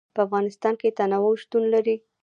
په افغانستان کې تنوع شتون لري.